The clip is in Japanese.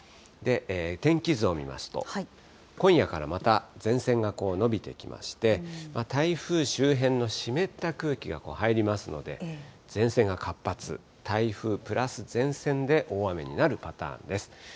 天気図を見ますと、今夜からまた前線が延びてきまして、台風周辺の湿った空気が入りますので、前線が活発、台風プラス前線で大雨になるパターンです。